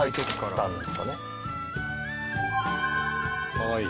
かわいい。